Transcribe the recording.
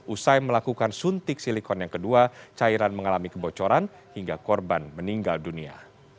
usai melakukan suntik silikon yang kedua cairan mengalami kebocoran hingga korban meninggal dunia